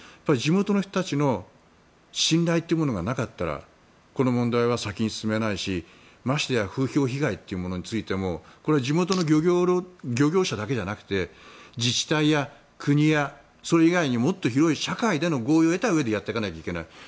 地元の人たちの信頼というものがなかったらこの問題は先に進めないしましてや風評被害というものに対してこれは地元の漁業労働者だけじゃなくて自治体や国やそれ以外にもっと広い社会での合意を得たうえでやらないといけない。